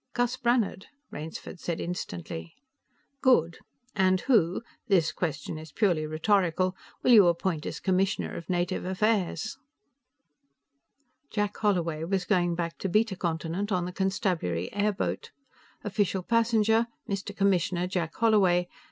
"Gus Brannhard," Rainsford said instantly. "Good. And who this question is purely rhetorical will you appoint as Commissioner of Native Affairs?" Jack Holloway was going back to Beta Continent on the constabulary airboat. Official passenger: Mr. Commissioner Jack Holloway.